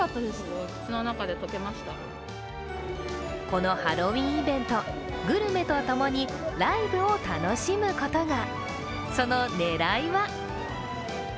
このハロウィーンイベント、グルメとともにライブを楽しむことが。